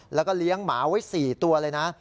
แล้วก็เลี้ยงหมาไว้๔ตัวเลยนะ